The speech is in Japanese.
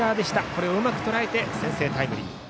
これをうまくとらえて先制タイムリー。